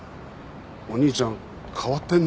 お兄ちゃん変わってんね。